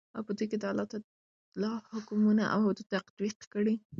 او په دوى كې دالله تعالى حكمونه او حدود تطبيق كړي .